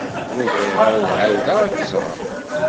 Ur bɣiɣ ara ad ɛawdeɣ ad k-ẓreɣ.